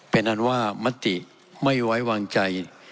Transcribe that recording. เป็นอันว่ามติไม่ไว้วางใจ